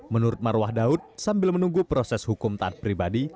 menurut marwah daud sambil menunggu proses hukum tadpribadi